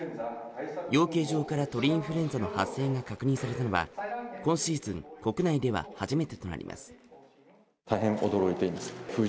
養鶏場から鳥インフルエンザの発生が確認されたのは今シーズン国内では初めてとなります。